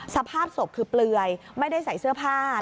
สภาพศพคือเปลือยไม่ได้ใส่เสื้อผ้า